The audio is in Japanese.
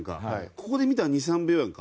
ここで見たら２３秒やんか。